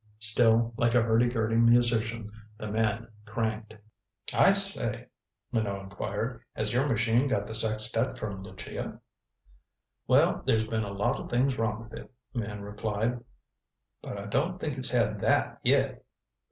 Still, like a hurdy gurdy musician, the man cranked. "I say," Minot inquired, "has your machine got the Sextette from Lucia?" "Well, there's been a lot of things wrong with it," the man replied, "but I don't think it's had that yet."